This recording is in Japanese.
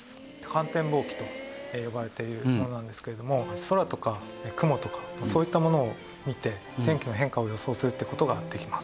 観天望気と呼ばれているものなんですけども空とか雲とかそういったものを見て天気の変化を予想するという事ができます。